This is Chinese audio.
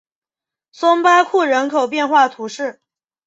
松巴库人口变化图示